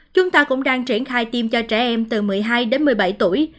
chúng ta cũng đang triển khai tiêm cho trẻ em từ một mươi hai đến một mươi bảy tuổi